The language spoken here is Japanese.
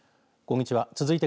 こんにちは。